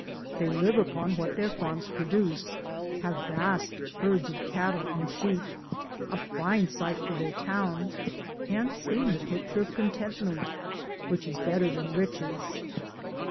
They live upon what their farms produce, have vast herds of cattle and sheep, a fine site for their town, and seem the picture of contentment, which is better than riches.